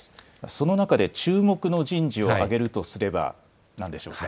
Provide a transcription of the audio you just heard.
その中で注目の人事を挙げるとすれば何でしょうか。